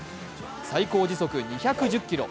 最高時速２１０キロ